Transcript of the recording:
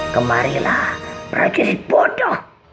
kemarilah raja sibota